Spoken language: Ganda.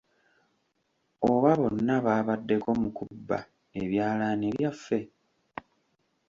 Oba bonna baabaddeko mu kubba ebyalaani byaffe?